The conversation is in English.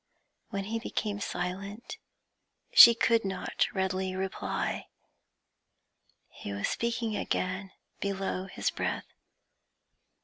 When he became silent, she could not readily reply. He was speaking again, below his breath.